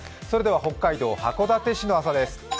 北海道函館市の朝です。